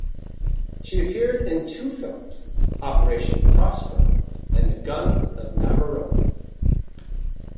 She appeared in two films: "Operation Crossbow" and "The Guns of Navarone".